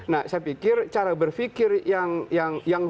nah saya pikir cara berpikir yang